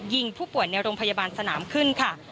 ยิงผู้ป่วยในโรงพยาบาลสนามขึ้นค่ะ